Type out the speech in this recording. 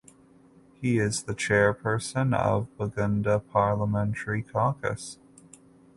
He is the Chairperson of Buganda parliamentary caucus.